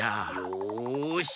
よし！